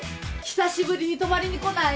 久しぶりに泊まりに来ない？